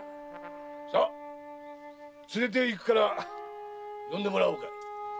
さあ連れていくから呼んでもらおうか。